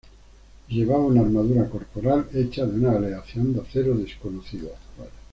Llevaba una armadura corporal hecha de una aleación de acero desconocida.